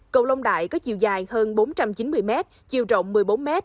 cầu long đại có chiều dài hơn bốn trăm chín mươi m chiều rộng một mươi bốn m